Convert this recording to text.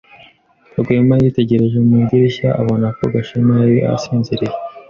Rwema yitegereza mu idirishya abona ko Gashema yari asinziriye.